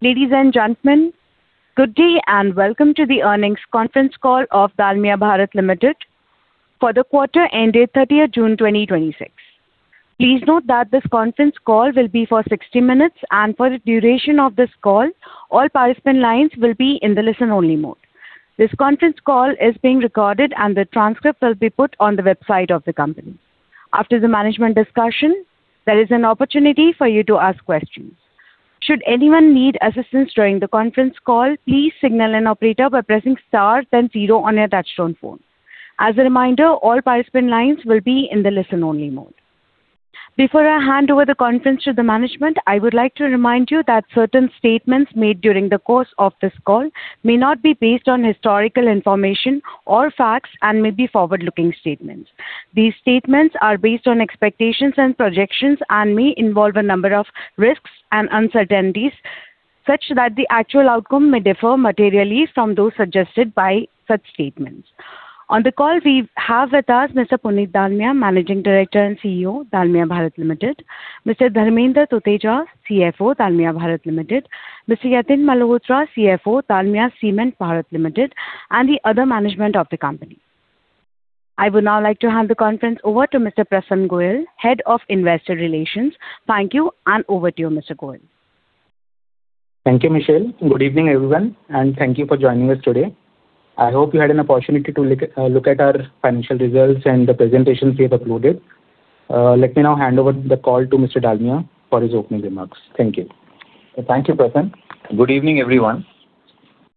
Ladies and gentlemen, good day and welcome to the earnings conference call of Dalmia Bharat Limited for the quarter ended June 30th 2026. Please note that this conference call will be for 60 minutes and for the duration of this call, all participant lines will be in the listen-only mode. This conference call is being recorded and the transcript will be put on the website of the company. After the management discussion, there is an opportunity for you to ask questions. Should anyone need assistance during the conference call, please signal an operator by pressing star then zero on your touchtone phone. As a reminder, all participant lines will be in the listen-only mode. Before I hand over the conference to the management, I would like to remind you that certain statements made during the course of this call may not be based on historical information or facts and may be forward-looking statements. These statements are based on expectations and projections and may involve a number of risks and uncertainties such that the actual outcome may differ materially from those suggested by such statements. On the call we have with us Mr. Puneet Dalmia, Managing Director and CEO, Dalmia Bharat Limited; Mr. Dharmender Tuteja, CFO, Dalmia Bharat Limited; Mr. Yatin Malhotra, CFO, Dalmia Cement Bharat Limited, and the other management of the company. I would now like to hand the conference over to Mr. Prassan Goyal, Head of Investor Relations. Thank you, and over to you, Mr. Goyal. Thank you, Michelle. Good evening, everyone, and thank you for joining us today. I hope you had an opportunity to look at our financial results and the presentations we have uploaded. Let me now hand over the call to Mr. Dalmia for his opening remarks. Thank you. Thank you, Prassan. Good evening, everyone.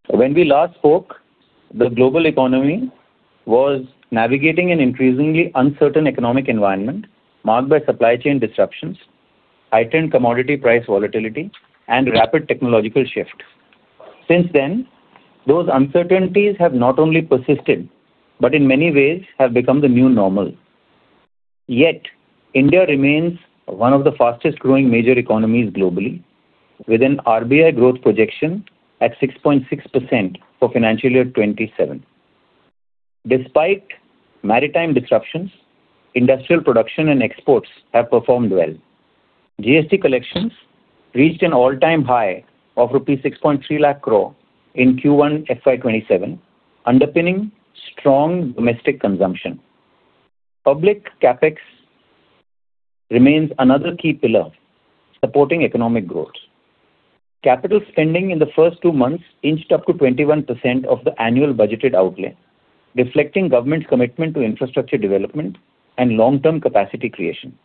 When we last spoke, the global economy was navigating an increasingly uncertain economic environment marked by supply chain disruptions, heightened commodity price volatility, and rapid technological shift. Since then, those uncertainties have not only persisted, but in many ways have become the new normal. Yet India remains one of the fastest-growing major economies globally with an RBI growth projection at 6.6% for FY 2027. Despite maritime disruptions, industrial production and exports have performed well. GST collections reached an all-time high of 630,000 crore rupees in Q1 FY 2027, underpinning strong domestic consumption. Public CapEx remains another key pillar supporting economic growth. Capital spending in the first two months inched up to 21% of the annual budgeted outlay, reflecting government's commitment to infrastructure development and long-term capacity creation.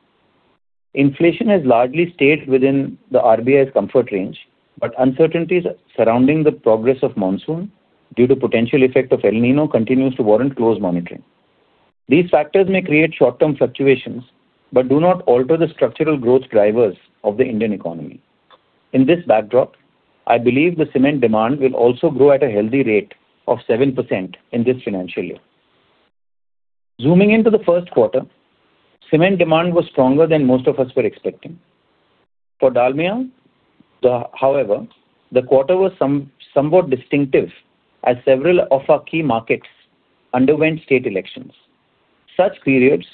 Inflation has largely stayed within the RBI's comfort range, but uncertainties surrounding the progress of monsoon due to potential effect of El Niño continues to warrant close monitoring. These factors may create short-term fluctuations, but do not alter the structural growth drivers of the Indian economy. In this backdrop, I believe the cement demand will also grow at a healthy rate of 7% in this financial year. Zooming into the first quarter, cement demand was stronger than most of us were expecting. For Dalmia, however, the quarter was somewhat distinctive as several of our key markets underwent state elections. Such periods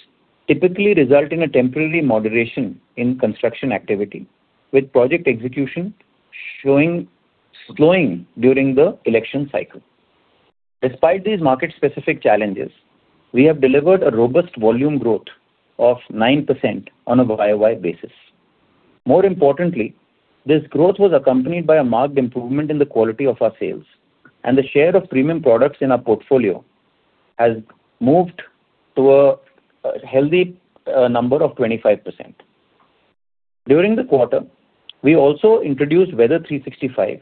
typically result in a temporary moderation in construction activity, with project execution slowing during the election cycle. Despite these market-specific challenges, we have delivered a robust volume growth of 9% on a YoY basis. More importantly, this growth was accompanied by a marked improvement in the quality of our sales and the share of premium products in our portfolio has moved to a healthy number of 25%. During the quarter, we also introduced Weather 365,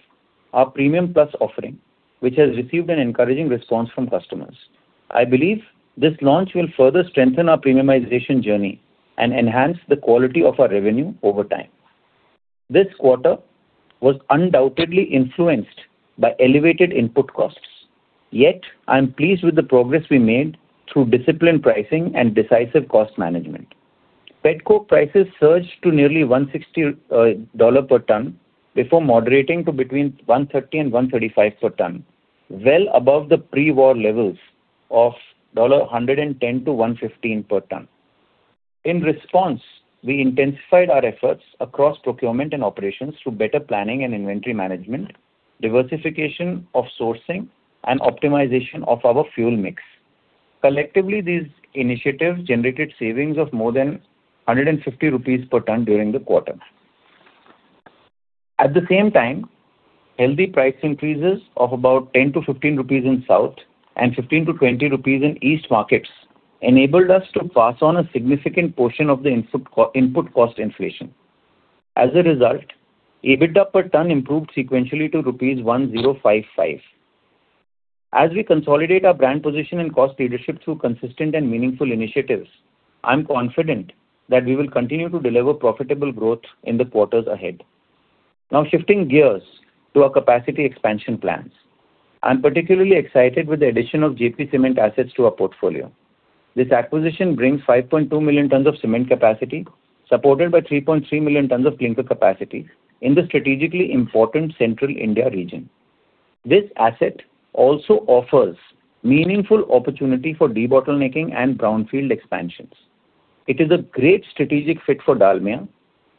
our premium plus offering, which has received an encouraging response from customers. I believe this launch will further strengthen our premiumization journey and enhance the quality of our revenue over time. This quarter was undoubtedly influenced by elevated input costs. Yet I am pleased with the progress we made through disciplined pricing and decisive cost management. Petcoke prices surged to nearly $160 per ton before moderating to between $130 and $135 per ton, well above the pre-war levels of $110 to $115 per ton. In response, we intensified our efforts across procurement and operations through better planning and inventory management, diversification of sourcing, and optimization of our fuel mix. Collectively, these initiatives generated savings of more than 150 rupees per ton during the quarter. At the same time, healthy price increases of about 10 to 15 rupees in South and 15 to 20 rupees in East markets enabled us to pass on a significant portion of the input cost inflation. As a result, EBITDA per ton improved sequentially to rupees 1,055. As we consolidate our brand position and cost leadership through consistent and meaningful initiatives, I'm confident that we will continue to deliver profitable growth in the quarters ahead. Now shifting gears to our capacity expansion plans. I'm particularly excited with the addition of JP Cement assets to our portfolio. This acquisition brings 5.2 million tons of cement capacity, supported by 3.3 million tons of clinker capacity in the strategically important Central India region. This asset also offers meaningful opportunity for debottlenecking and brownfield expansions. It is a great strategic fit for Dalmia,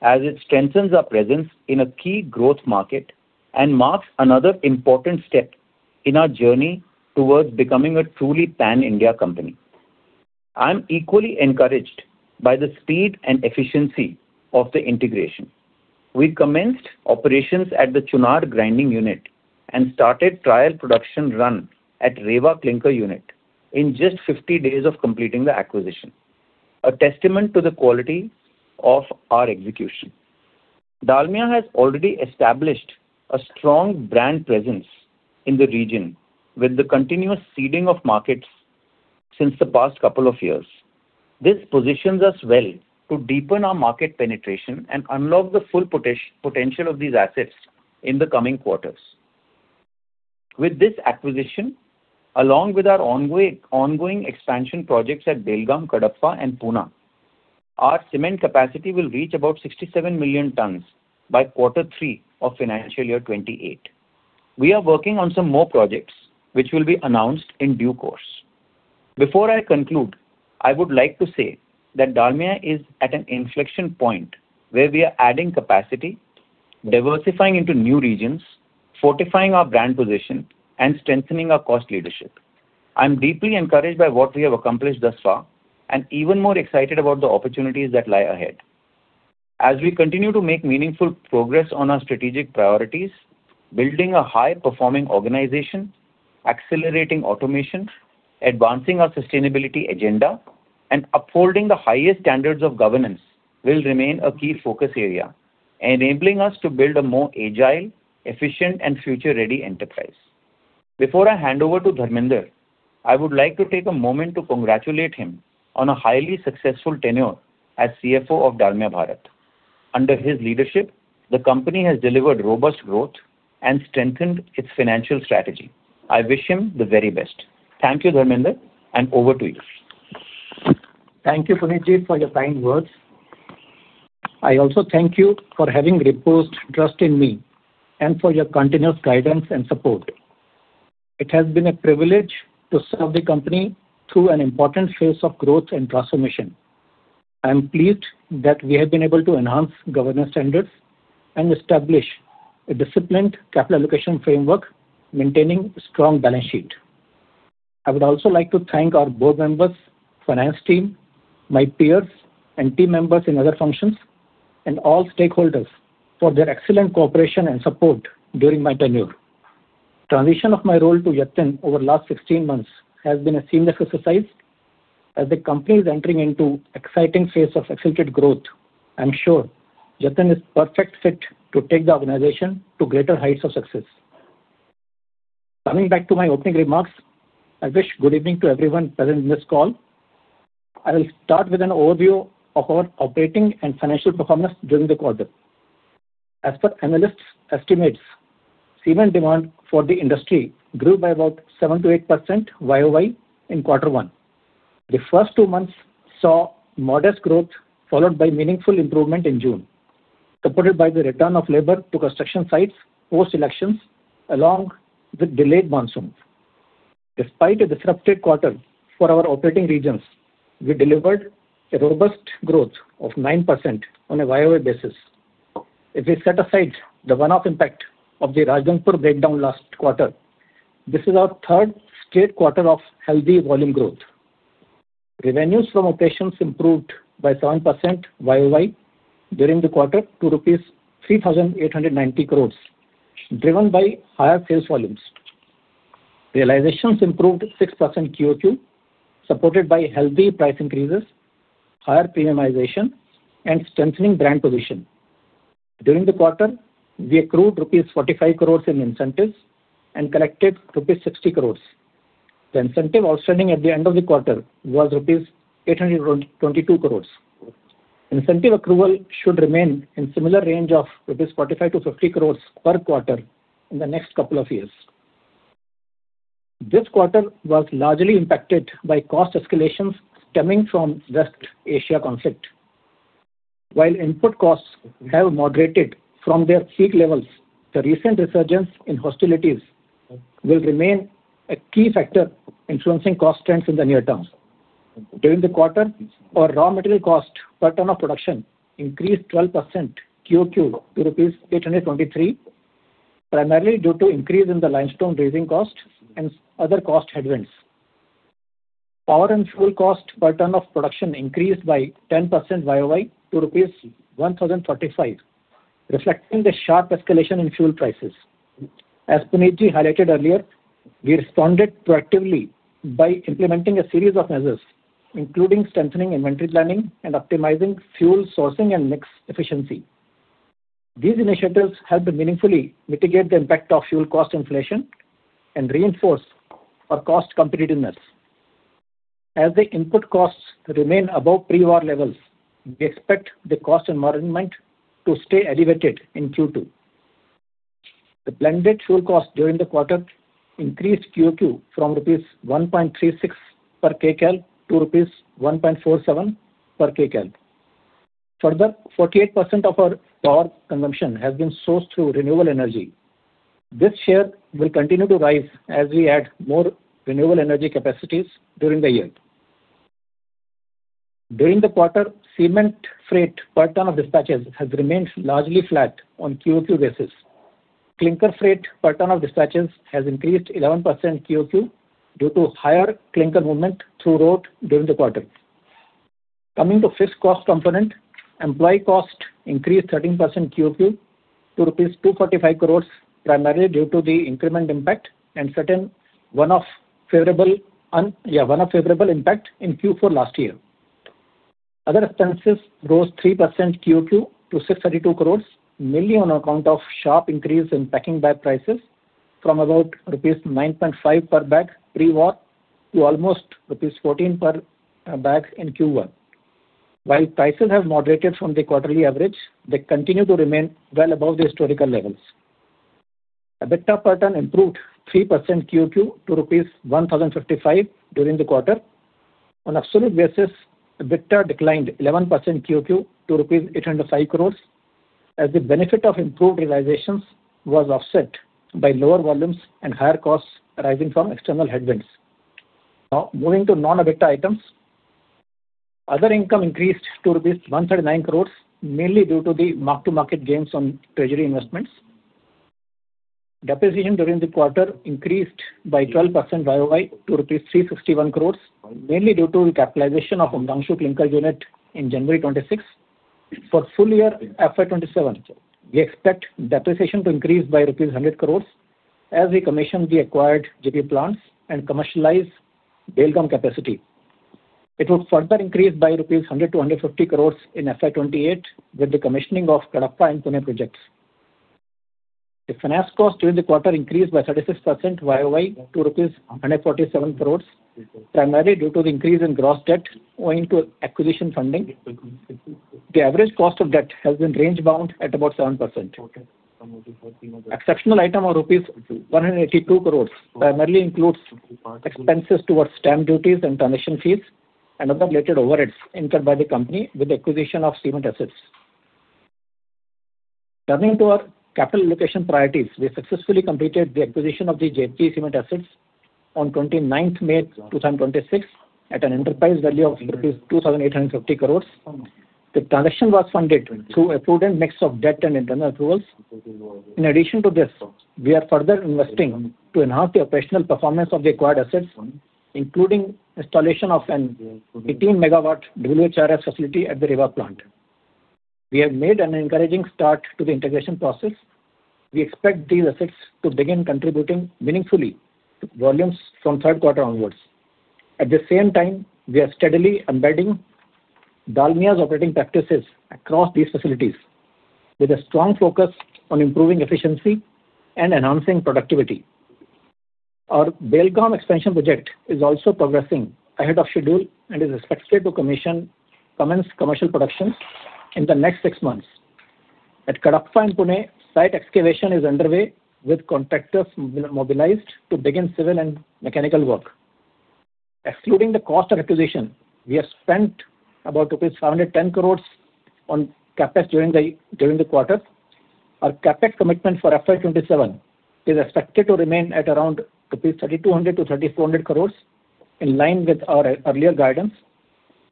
as it strengthens our presence in a key growth market and marks another important step in our journey towards becoming a truly pan-India company. I'm equally encouraged by the speed and efficiency of the integration. We commenced operations at the Chunar grinding unit and started trial production run at Rewa clinker unit in just 50 days of completing the acquisition, a testament to the quality of our execution. Dalmia has already established a strong brand presence in the region with the continuous seeding of markets since the past couple of years. This positions us well to deepen our market penetration and unlock the full potential of these assets in the coming quarters. With this acquisition, along with our ongoing expansion projects at Belgaum, Kadapa, and Pune, our cement capacity will reach about 67 million tons by quarter three of financial year 2028. We are working on some more projects, which will be announced in due course. Before I conclude, I would like to say that Dalmia is at an inflection point where we are adding capacity, diversifying into new regions, fortifying our brand position, and strengthening our cost leadership. I'm deeply encouraged by what we have accomplished thus far, and even more excited about the opportunities that lie ahead. As we continue to make meaningful progress on our strategic priorities, building a high-performing organization, accelerating automation, advancing our sustainability agenda, and upholding the highest standards of governance will remain a key focus area, enabling us to build a more agile, efficient, and future-ready enterprise. Before I hand over to Dharmender, I would like to take a moment to congratulate him on a highly successful tenure as CFO of Dalmia Bharat. Under his leadership, the company has delivered robust growth and strengthened its financial strategy. I wish him the very best. Thank you, Dharmender, and over to you. Thank you, Puneet, for your kind words. I also thank you for having reposed trust in me and for your continuous guidance and support. It has been a privilege to serve the company through an important phase of growth and transformation. I am pleased that we have been able to enhance governance standards and establish a disciplined capital allocation framework, maintaining a strong balance sheet. I would also like to thank our board members, finance team, my peers and team members in other functions, and all stakeholders for their excellent cooperation and support during my tenure. Transition of my role to Yatin over the last 16 months has been a seamless exercise. As the company is entering into exciting phase of accelerated growth, I'm sure Yatin is perfect fit to take the organization to greater heights of success. Coming back to my opening remarks, I wish good evening to everyone present in this call. I will start with an overview of our operating and financial performance during the quarter. As per analysts' estimates, cement demand for the industry grew by about 7%-8% YoY in quarter one. The first two months saw modest growth, followed by meaningful improvement in June, supported by the return of labor to construction sites post-elections, along with delayed monsoons. Despite a disrupted quarter for our operating regions, we delivered a robust growth of 9% on a YoY basis. If we set aside the one-off impact of the Rajgangpur breakdown last quarter, this is our third straight quarter of healthy volume growth. Revenues from operations improved by 7% YoY during the quarter to rupees 3,890 crore, driven by higher sales volumes. Realizations improved 6% QoQ, supported by healthy price increases, higher premiumization, and strengthening brand position. During the quarter, we accrued rupees 45 crores in incentives and collected rupees 60 crores. The incentive outstanding at the end of the quarter was rupees 822 crores. Incentive accrual should remain in similar range of rupees 45-50 crores per quarter in the next couple of years. This quarter was largely impacted by cost escalations stemming from West Asia conflict. While input costs have moderated from their peak levels, the recent resurgence in hostilities will remain a key factor influencing cost trends in the near term. During the quarter, our raw material cost per ton of production increased 12% QoQ to rupees 823, primarily due to increase in the limestone raising cost and other cost headwinds. Power and fuel cost per ton of production increased by 10% YoY to rupees 1,035, reflecting the sharp escalation in fuel prices. As Puneet highlighted earlier, we responded proactively by implementing a series of measures, including strengthening inventory planning and optimizing fuel sourcing and mix efficiency. These initiatives help to meaningfully mitigate the impact of fuel cost inflation and reinforce our cost competitiveness. As the input costs remain above pre-war levels, we expect the cost environment to stay elevated in Q2. The blended fuel cost during the quarter increased QoQ from rupees 1.36 per kcal to rupees 1.47 per kcal. Further, 48% of our power consumption has been sourced through renewable energy. This share will continue to rise as we add more renewable energy capacities during the year. During the quarter, cement freight per ton of dispatches has remained largely flat on QoQ basis. Clinker freight per ton of dispatches has increased 11% QoQ due to higher clinker movement through road during the quarter. Coming to fixed cost component, employee cost increased 13% QoQ to rupees 245 crores, primarily due to the increment impact and certain one-off favorable impact in Q4 last year. Other expenses rose 3% QoQ to 632 crores, mainly on account of sharp increase in packing bag prices from about INR 9.5 per bag pre-war to almost rupees 14 per bag in Q1. While prices have moderated from the quarterly average, they continue to remain well above the historical levels. EBITDA per ton improved 3% QoQ to rupees 1,055 during the quarter. On absolute basis, EBITDA declined 11% QoQ to rupees 805 crores as the benefit of improved realizations was offset by lower volumes and higher costs arising from external headwinds. Now, moving to non-EBITDA items. Other income increased to rupees 139 crores, mainly due to the mark-to-market gains on treasury investments. Depreciation during the quarter increased by 12% YoY to rupees 361 crores, mainly due to recapitalization of Umrangso clinker unit in January 26. For full year FY 2027, we expect depreciation to increase by rupees 100 crores as we commission the acquired JP plants and commercialize Belgaum capacity. It will further increase by 100-150 crores rupees in FY 2028 with the commissioning of Kadapa and Pune projects. The finance cost during the quarter increased by 36% YoY to rupees 147 crores, primarily due to the increase in gross debt owing to acquisition funding. The average cost of debt has been range bound at about 7%. Exceptional item of rupees 182 crores primarily includes expenses towards stamp duties and transaction fees and other related overheads incurred by the company with acquisition of cement assets. Turning to our capital allocation priorities, we successfully completed the acquisition of the JP Cement assets on May 29th 2026 at an enterprise value of 2,850 crores. The transaction was funded through a prudent mix of debt and internal approvals. In addition to this, we are further investing to enhance the operational performance of the acquired assets, including installation of an 18-MW WHRS facility at the Rewa plant. We have made an encouraging start to the integration process. We expect these assets to begin contributing meaningfully to volumes from third quarter onwards. At the same time, we are steadily embedding Dalmia's operating practices across these facilities with a strong focus on improving efficiency and enhancing productivity. Our Belgaum expansion project is also progressing ahead of schedule and is expected to commence commercial productions in the next six months. At Kadapa and Pune, site excavation is underway with contractors mobilized to begin civil and mechanical work. Excluding the cost of acquisition, we have spent about rupees 710 crores on CapEx during the quarter. Our CapEx commitment for FY 2027 is expected to remain at around 3,200 crores-3,400 crores rupees, in line with our earlier guidance.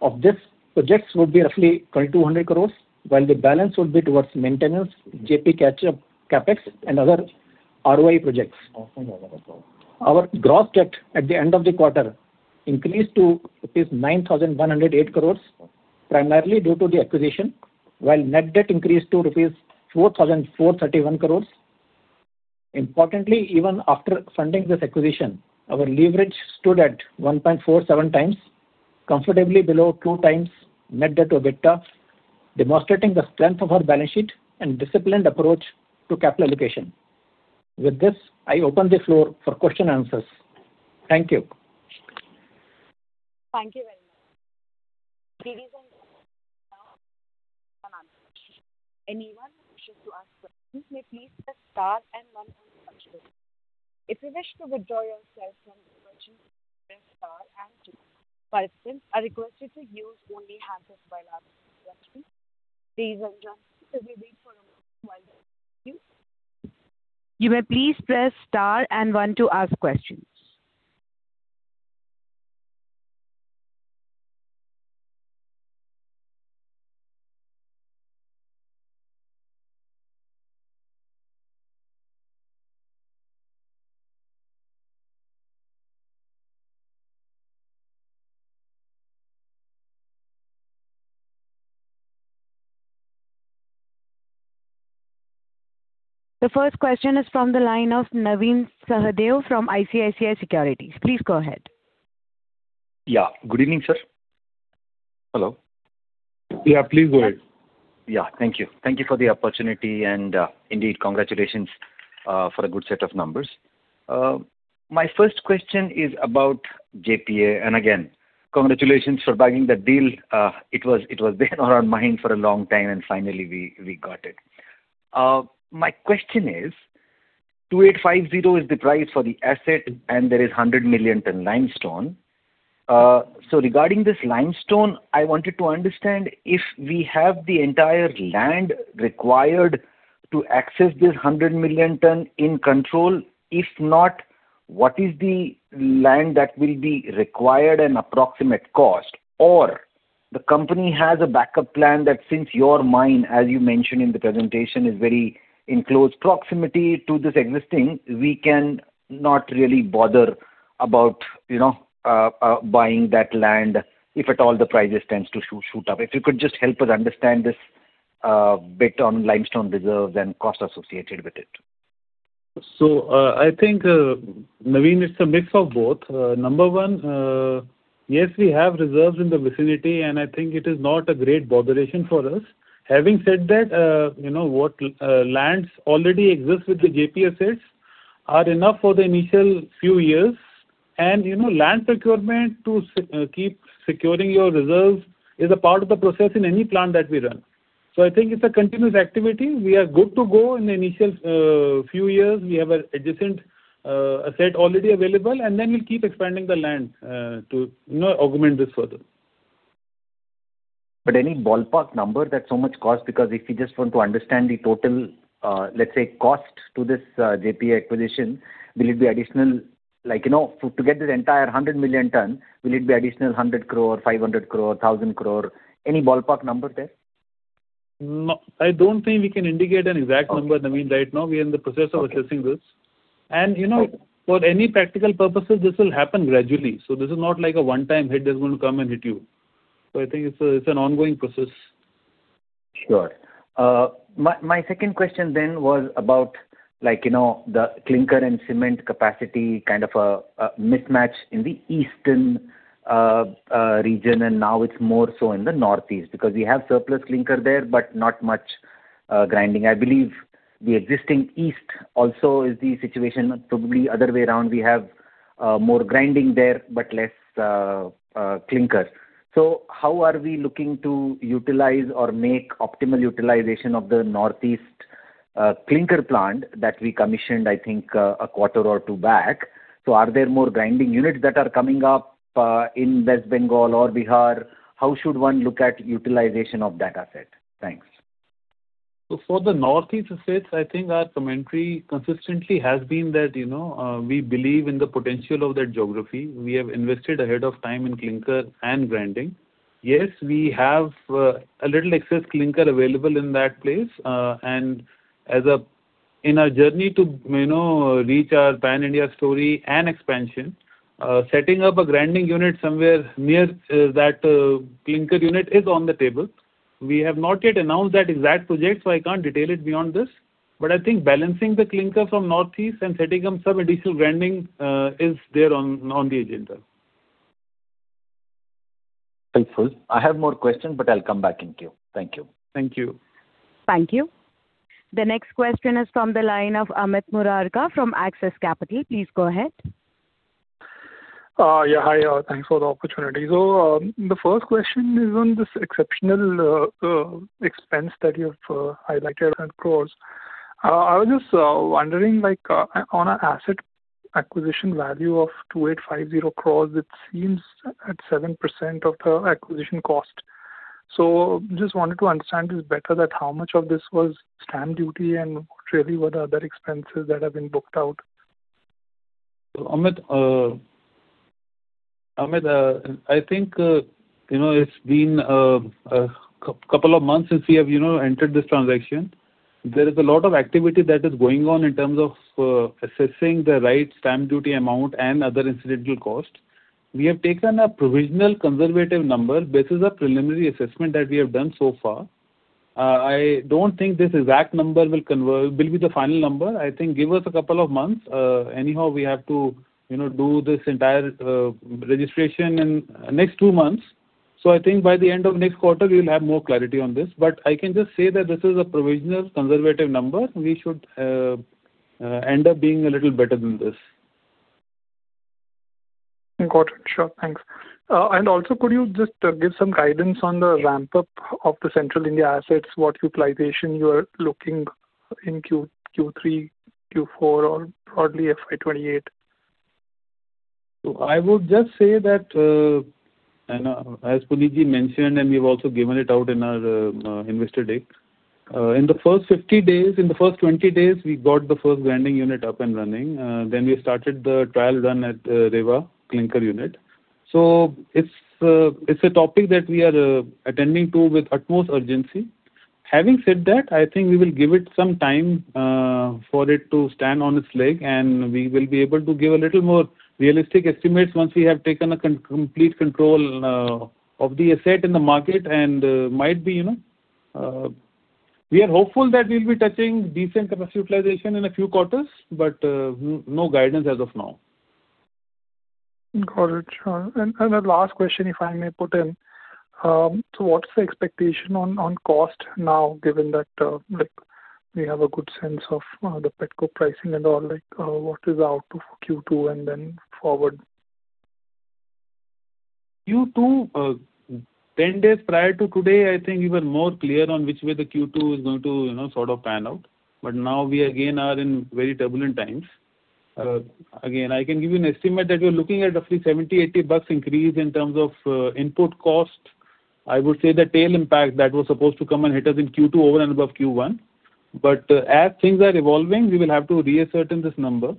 Of this, projects would be roughly 2,200 crores, while the balance would be towards maintenance, JP catch-up CapEx, and other ROI projects. Our gross debt at the end of the quarter increased to 9,108 crores, primarily due to the acquisition, while net debt increased to rupees 4,431 crores. Importantly, even after funding this acquisition, our leverage stood at 1.47x, comfortably below 2x net debt to EBITDA, demonstrating the strength of our balance sheet and disciplined approach to capital allocation. I open the floor for question and answers. Thank you. Thank you very much. Ladies and gentlemen, now anyone who wishes to ask questions may please press star and one on the touchpads. If you wish to withdraw yourself from the virtual press star and two. Participants are requested to use only hands up while asking questions. Ladies and gents, we will wait for a while. Thank you. You may please press star and one to ask questions. The first question is from the line of Navin Sahadeo from ICICI Securities. Please go ahead. Good evening, sir. Hello. Yeah, please go ahead. Thank you. Thank you for the opportunity and indeed, congratulations for a good set of numbers. My first question is about JPA, and again, congratulations for bagging the deal. It was been on our mind for a long time, and finally we got it. My question is 2,850 is the price for the asset, and there is 100 million ton limestone. So regarding this limestone, I wanted to understand if we have the entire land required to access this 100 million ton in control. If not, what is the land that will be required and approximate cost? Or the company has a backup plan that since your mine, as you mentioned in the presentation, is very in close proximity to this existing, we can not really bother about buying that land if at all the prices tends to shoot up. If you could just help us understand this bit on limestone reserves and cost associated with it. I think, Navin, it's a mix of both. Number one, yes, we have reserves in the vicinity, and I think it is not a great botheration for us. Having said that, what lands already exist with the JP assets are enough for the initial few years. Land procurement to keep securing your reserves is a part of the process in any plant that we run. I think it's a continuous activity. We are good to go in the initial few years. We have an adjacent asset already available, and then we'll keep expanding the land to augment this further. Any ballpark number that so much cost, because if we just want to understand the total, let's say, cost to this JP acquisition, to get this entire 100 million ton, will it be additional 100 crore or 500 crore, 1,000 crore? Any ballpark number there? No, I don't think we can indicate an exact number, Navin. Right now, we are in the process of assessing this. For any practical purposes, this will happen gradually. This is not like a one-time hit that's going to come and hit you. I think it's an ongoing process. Sure. My second question then was about the clinker and cement capacity kind of a mismatch in the eastern region, and now it's more so in the Northeast, because we have surplus clinker there, but not much grinding. I believe the existing east also is the situation, probably other way around. We have more grinding there, but less clinker. How are we looking to utilize or make optimal utilization of the Northeast clinker plant that we commissioned, I think, a quarter or two back. Are there more grinding units that are coming up in West Bengal or Bihar? How should one look at utilization of that asset? Thanks. For the Northeast states, I think our commentary consistently has been that we believe in the potential of that geography. We have invested ahead of time in clinker and grinding. Yes, we have a little excess clinker available in that place. In our journey to reach our pan-India story and expansion, setting up a grinding unit somewhere near that clinker unit is on the table. We have not yet announced that exact project, so I can't detail it beyond this. I think balancing the clinker from Northeast and setting up some additional grinding is there on the agenda. Helpful. I have more question, but I'll come back in queue. Thank you. Thank you. Thank you. The next question is from the line of Amit Murarka from Axis Capital. Please go ahead. Yeah, hi. Thanks for the opportunity. The first question is on this exceptional expense that you've highlighted at INR 100 crores. I was just wondering, on an asset acquisition value of 2,850 crores, it seems at 7% of the acquisition cost. Just wanted to understand this better that how much of this was stamp duty and really what are other expenses that have been booked out. Amit, I think it's been a couple of months since we have entered this transaction. There is a lot of activity that is going on in terms of assessing the right stamp duty amount and other incidental cost. We have taken a provisional conservative number. This is a preliminary assessment that we have done so far. I don't think this exact number will be the final number. I think give us a couple of months. Anyhow, we have to do this entire registration in next two months. By the end of next quarter, we will have more clarity on this. But I can just say that this is a provisional conservative number. We should end up being a little better than this. Got it. Sure. Thanks. Also, could you just give some guidance on the ramp-up of the central India assets, what utilization you are looking in Q3, Q4, or broadly FY 2028? I would just say that, as Puneet mentioned, and we've also given it out in our investor deck. In the first 50 days, in the first 20 days, we got the first grinding unit up and running. We started the trial run at Rewa clinker unit. It's a topic that we are attending to with utmost urgency. Having said that, I think we will give it some time for it to stand on its leg, and we will be able to give a little more realistic estimates once we have taken a complete control of the asset in the market. We are hopeful that we'll be touching decent capacity utilization in a few quarters, but no guidance as of now. Got it. Sure. The last question, if I may put in. What's the expectation on cost now, given that we have a good sense of the pet coke pricing and all, what is out for Q2 and then forward? Q2, 10 days prior to today, I think we were more clear on which way the Q2 is going to sort of pan out. Now we again are in very turbulent times. I can give you an estimate that we're looking at roughly 70, INR 80 increase in terms of input cost. I would say the tail impact that was supposed to come and hit us in Q2 over and above Q1. As things are evolving, we will have to reassert in these numbers.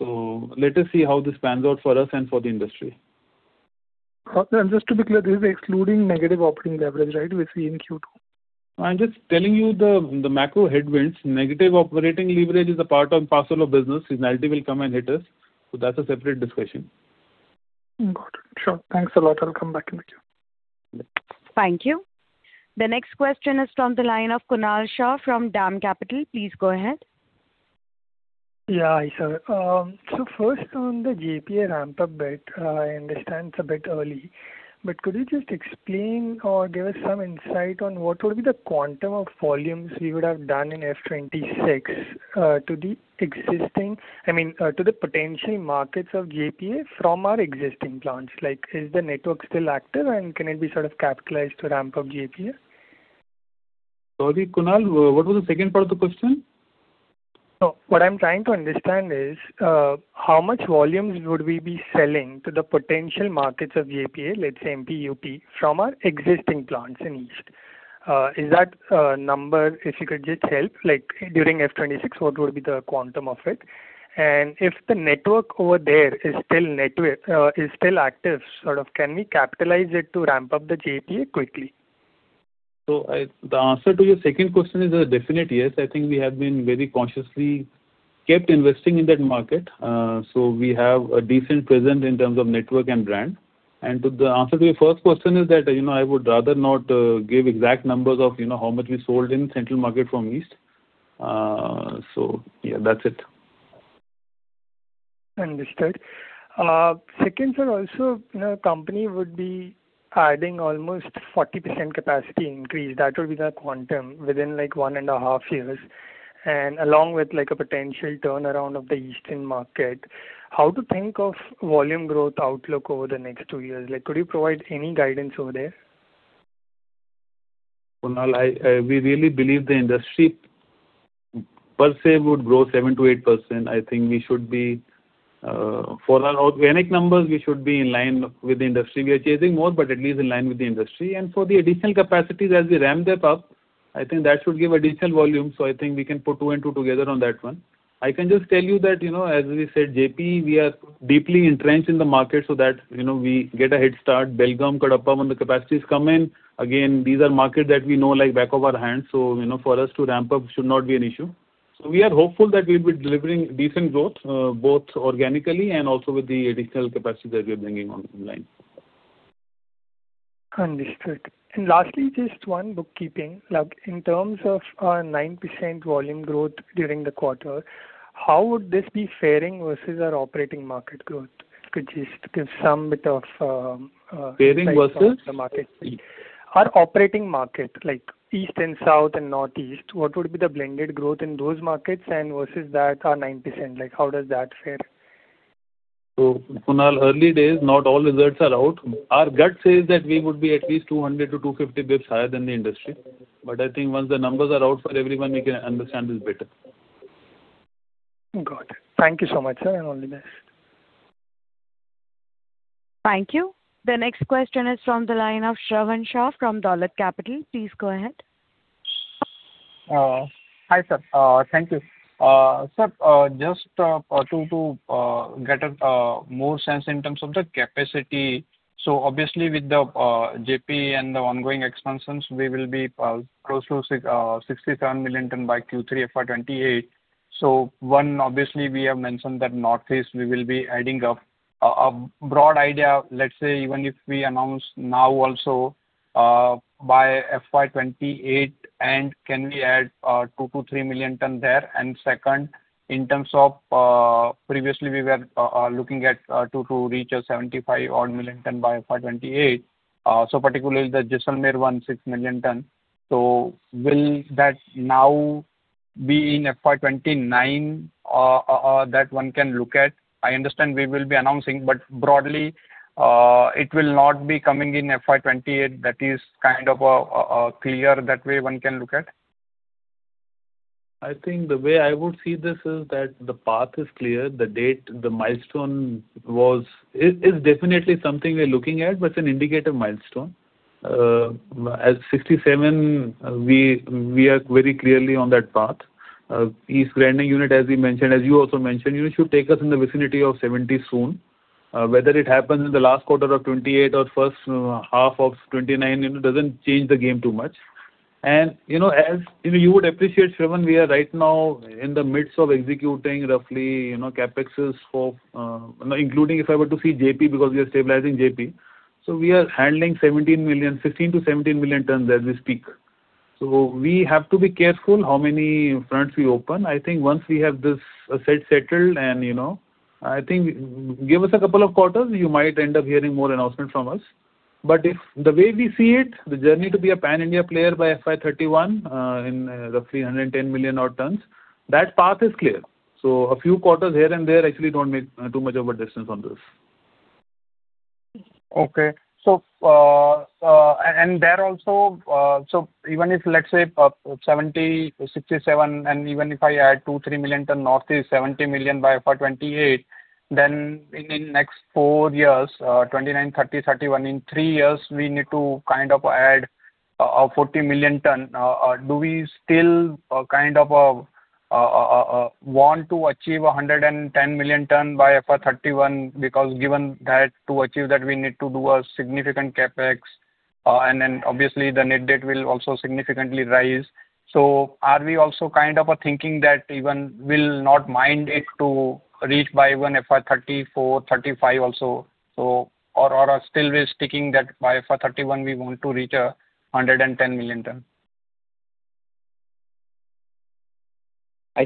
Let us see how this pans out for us and for the industry. Just to be clear, this is excluding negative operating leverage, right? We're seeing in Q2. I'm just telling you the macro headwinds, negative operating leverage is a part and parcel of business. Penalty will come and hit us. That's a separate discussion. Got it. Sure. Thanks a lot. I'll come back in the queue. Thank you. The next question is from the line of Kunal Shah from DAM Capital. Please go ahead. Yeah. Hi, sir. First on the JPA ramp-up bit, I understand it's a bit early. Could you just explain or give us some insight on what would be the quantum of volumes we would have done in FY 2026 to the potential markets of JPA from our existing plants? Is the network still active and can it be sort of capitalized to ramp up JPA? Sorry, Kunal, what was the second part of the question? What I'm trying to understand is how much volumes would we be selling to the potential markets of JPA, let's say MP, UP, from our existing plants in East. Is that a number, if you could just help, like during FY 2026, what would be the quantum of it? If the network over there is still active, can we capitalize it to ramp up the JPA quickly? The answer to your second question is a definite yes. I think we have been very consciously kept investing in that market. We have a decent presence in terms of network and brand. The answer to your first question is that, I would rather not give exact numbers of how much we sold in central market from East. Yeah, that's it. Understood. Second sir, also, company would be adding almost 40% capacity increase. That would be the quantum within one and a half years. Along with a potential turnaround of the Eastern Market, how to think of volume growth outlook over the next two years. Could you provide any guidance over there? Kunal, we really believe the industry per se would grow 7%-8%. I think for our organic numbers, we should be in line with the industry. We are chasing more, but at least in line with the industry. For the additional capacities as we ramp them up, I think that should give additional volume. I think we can put two and two together on that one. I can just tell you that, as we said, JP, we are deeply entrenched in the market so that we get a head start. Belgaum, Kadapa when the capacities come in, again, these are markets that we know like back of our hand, so for us to ramp up should not be an issue. We are hopeful that we'll be delivering decent growth, both organically and also with the additional capacity that we're bringing online. Understood. Lastly, just one bookkeeping. In terms of our 9% volume growth during the quarter, how would this be faring versus our operating market growth? If you could just give some bit of Faring versus? Our operating market, like East and South and Northeast, what would be the blended growth in those markets and versus that our 9%, how does that fare? Kunal, early days, not all results are out. Our gut says that we would be at least 200-250 basis points higher than the industry. I think once the numbers are out for everyone, we can understand this better. Got it. Thank you so much, sir, all the best. Thank you. The next question is from the line of Shravan Shah from Dolat Capital. Please go ahead. Hi, sir. Thank you. Sir, just to get more sense in terms of the capacity, obviously with the JP and the ongoing expansions, we will be close to 67 million tons by Q3 FY 2028. One, obviously we have mentioned that Northeast we will be adding up a broad idea, let's say even if we announce now also by FY 2028 end can we add 2 million-3 million tons there? Second, in terms of previously we were looking at to reach a 75 million tons by FY 2028. Particularly the Jaisalmer one, 6 million tons. Will that now be in FY 2029 that one can look at? I understand we will be announcing, but broadly it will not be coming in FY 2028 that is kind of clear that way one can look at? I think the way I would see this is that the path is clear, the milestone is definitely something we're looking at, but it's an indicative milestone. As 67, we are very clearly on that path. East grinding unit, as you also mentioned, should take us in the vicinity of 70 soon. Whether it happens in the last quarter of 2028 or first half of 2029, it doesn't change the game too much. As you would appreciate, Shravan, we are right now in the midst of executing roughly CapEx including if I were to see JP because we are stabilizing JP. We are handling 16 million-17 million tons as we speak. We have to be careful how many fronts we open. I think once we have this set settled and I think give us a couple of quarters, you might end up hearing more announcement from us. The way we see it, the journey to be a pan-India player by FY 2031 in roughly 110 million tons, that path is clear. A few quarters here and there actually don't make too much of a difference on this. Okay. Even if, let's say, 70, 67, and even if I add 2 million, 3 million ton Northeast, 70 million by FY 2028, in next four years, 2029, 2030, 2031, in three years, we need to add 40 million ton. Do we still want to achieve 110 million ton by FY 2031, because given that to achieve that, we need to do a significant CapEx, and then obviously the net debt will also significantly rise. Are we also thinking that even we will not mind it to reach by even FY 2034, FY 2035 also, or are still we sticking that by FY 2031 we want to reach 110 million ton?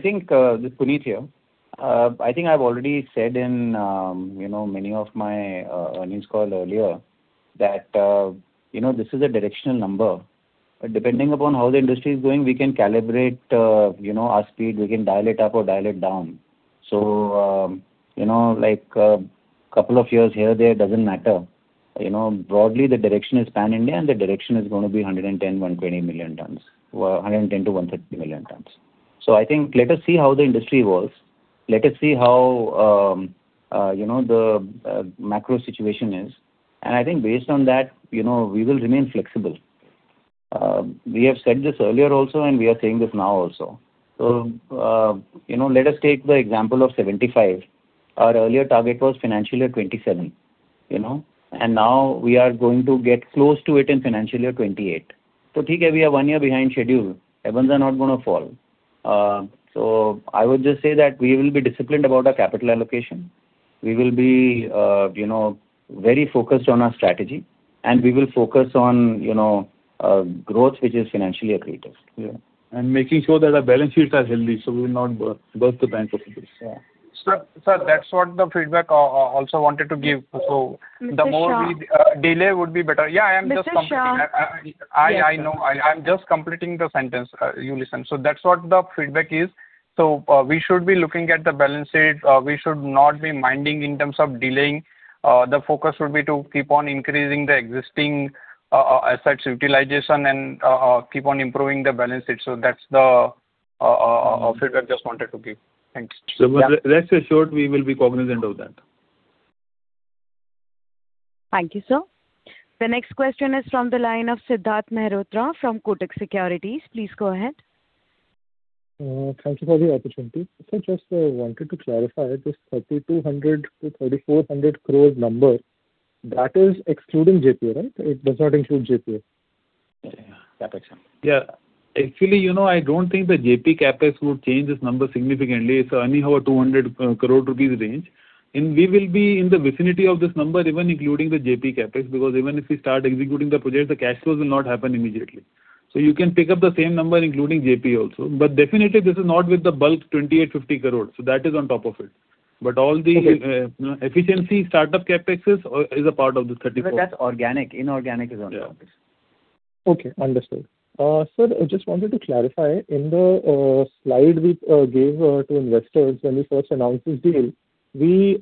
Puneet here. I think I have already said in many of my earnings call earlier that this is a directional number. Depending upon how the industry is doing, we can calibrate our speed, we can dial it up or dial it down. Couple of years here or there, it does not matter. Broadly, the direction is pan-India, the direction is going to be 110 million, 120 million tons, or 110 million-130 million tons. I think, let us see how the industry evolves. Let us see how the macro situation is. I think based on that, we will remain flexible. We have said this earlier also, and we are saying this now also. Let us take the example of 75. Our earlier target was financial year 2027. Now we are going to get close to it in financial year 2028. We are one year behind schedule. Heavens are not going to fall. I would just say that we will be disciplined about our capital allocation. We will be very focused on our strategy, we will focus on growth which is financially accretive. Yeah. Making sure that our balance sheets are healthy, we will not burst the bank of this. Yeah. Sir, that's what the feedback I also wanted to give. The more we- Mr. Shah. Delay would be better. Yeah, I'm just completing. Mr. Shah. I know. I'm just completing the sentence. You listen. That's what the feedback is. We should be looking at the balance sheet. We should not be minding in terms of delaying. The focus should be to keep on increasing the existing assets utilization and keep on improving the balance sheet. That's the feedback I just wanted to give. Thanks. Rest assured, we will be cognizant of that. Thank you, sir. The next question is from the line of Siddharth Mehrotra from Kotak Securities. Please go ahead. Thank you for the opportunity. Sir, just wanted to clarify this 3,200 crore-3,400 crore number, that is excluding JP, right? It does not include JP. Yeah. CapEx. Yeah. Actually, I don't think the JP CapEx would change this number significantly. It's anyhow an 200 crore rupees range. We will be in the vicinity of this number, even including the JP CapEx, because even if we start executing the project, the cash flows will not happen immediately. You can pick up the same number, including JP also. Definitely this is not with the bulk 2,850 crore. That is on top of it. All the- Okay efficiency, startup CapExes is a part of this 3,400. That's organic. Inorganic is on top. Okay. Understood. Sir, I just wanted to clarify. In the slide we gave to investors when we first announced this deal, we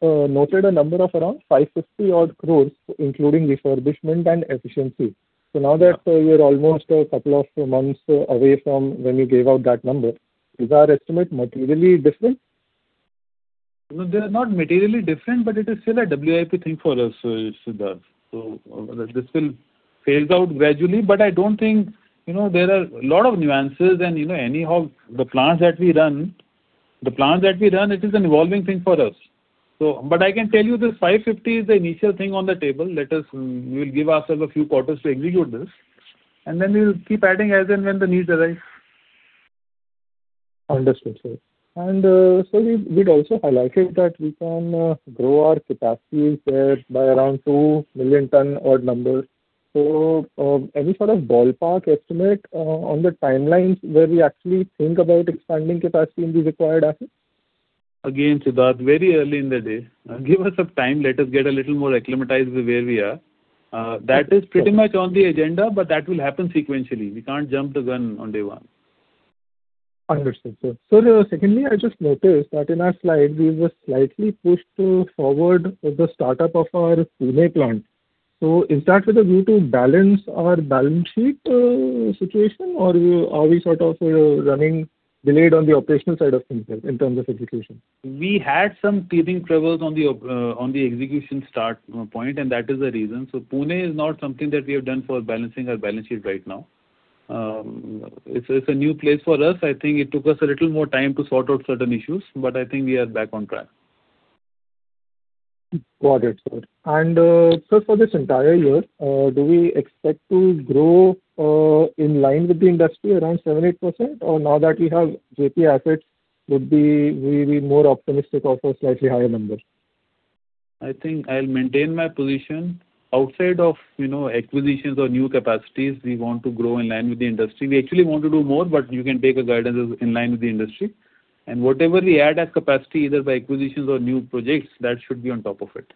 noted a number of around 550 odd crores, including refurbishment and efficiency. Now that we are almost a couple of months away from when we gave out that number, is our estimate materially different? No, they're not materially different, but it is still a WIP thing for us, Siddharth. This will phase out gradually, but I don't think There are a lot of nuances and anyhow, the plants that we run, it is an evolving thing for us. I can tell you this 550 is the initial thing on the table. We'll give ourselves a few quarters to execute this, and then we'll keep adding as and when the needs arise. Understood, sir. Sir, we'd also highlighted that we can grow our capacities there by around 2 million ton odd number. Any sort of ballpark estimate on the timelines where we actually think about expanding capacity in these acquired assets? Again, Siddharth, very early in the day. Give us some time. Let us get a little more acclimatized with where we are. That is pretty much on the agenda, but that will happen sequentially. We can't jump the gun on day one. Understood, Sir. Secondly, I just noticed that in our slide, we've just slightly pushed forward the startup of our Pune plant. Is that with a view to balance our balance sheet situation, or are we sort of running delayed on the operational side of things in terms of execution? We had some teething troubles on the execution start point. That is the reason. Pune is not something that we have done for balancing our balance sheet right now. It's a new place for us. I think it took us a little more time to sort out certain issues, but I think we are back on track. Got it, Sir. Sir, for this entire year, do we expect to grow in line with the industry around 7%, 8%, or now that we have JP assets, would we be more optimistic of a slightly higher number? I think I'll maintain my position. Outside of acquisitions or new capacities, we want to grow in line with the industry. We actually want to do more, but you can take a guidance as in line with the industry. Whatever we add as capacity, either by acquisitions or new projects, that should be on top of it.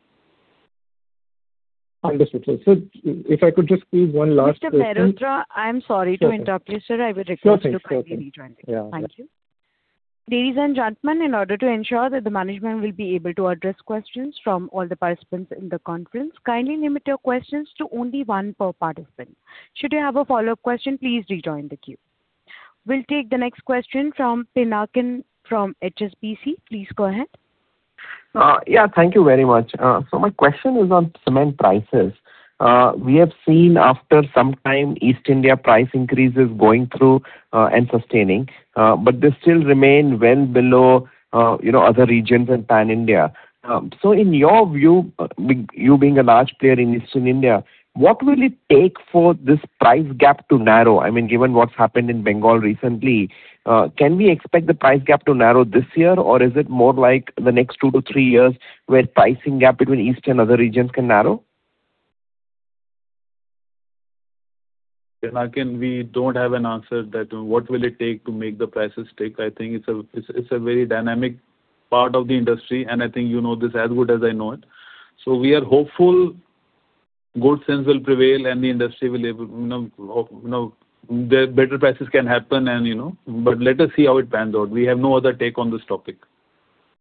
Understood, sir. If I could just squeeze one. Mr. Mehrotra, I'm sorry to interrupt you, sir. Sure thing. I would request to kindly rejoin the queue. Yeah. Thank you. Ladies and gentlemen, in order to ensure that the management will be able to address questions from all the participants in the conference, kindly limit your questions to only one per participant. Should you have a follow-up question, please rejoin the queue. We'll take the next question from Pinakin from HSBC. Please go ahead. Yeah, thank you very much. My question is on cement prices. We have seen after some time East India price increases going through and sustaining, but they still remain well below other regions in pan-India. In your view, you being a large player in Eastern India, what will it take for this price gap to narrow? Given what's happened in Bengal recently, can we expect the price gap to narrow this year, or is it more like the next two to three years where pricing gap between East and other regions can narrow? Pinakin, we don't have an answer that what will it take to make the prices stick. I think it's a very dynamic part of the industry, and I think you know this as good as I know it. We are hopeful good sense will prevail and better prices can happen, but let us see how it pans out. We have no other take on this topic.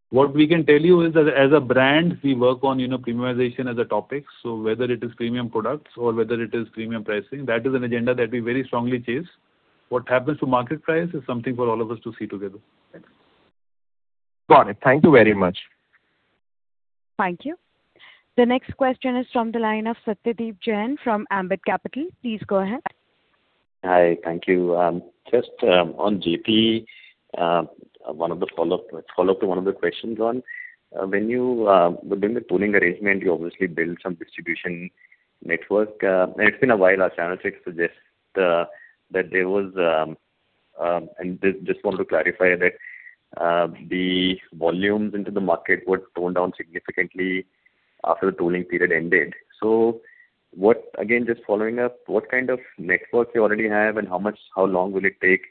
What we can tell you is that as a brand, we work on premiumization as a topic. Whether it is premium products or whether it is premium pricing, that is an agenda that we very strongly chase. What happens to market price is something for all of us to see together. Thanks. Got it. Thank you very much. Thank you. The next question is from the line of Satyadeep Jain from Ambit Capital. Please go ahead. Hi. Thank you. Just on JP, a follow-up to one of the questions on within the pooling arrangement, you obviously built some distribution network, and it's been a while our channel checks suggest, just wanted to clarify that the volumes into the market were toned down significantly after the tolling period ended. Again, just following up, what kind of networks you already have and how long will it take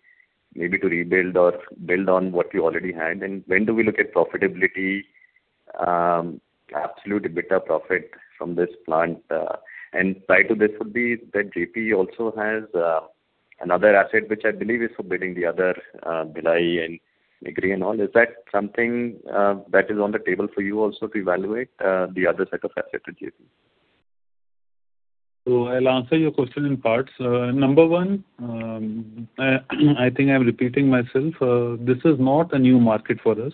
maybe to rebuild or build on what you already had, and when do we look at profitability, absolute EBITDA profit from this plant? Tied to this would be that JP also has another asset, which I believe is for bidding the other Bhilai and Nigrie and all. Is that something that is on the table for you also to evaluate, the other set of assets to JP? I'll answer your question in parts. Number one, I think I'm repeating myself. This is not a new market for us.